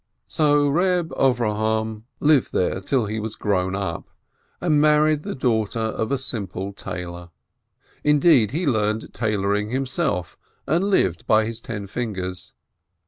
So Eeb Avrohom lived there till he was grown up, and had married the daughter of a simple tailor. Indeed, he learnt tailoring himself, and lived by his ten fingers.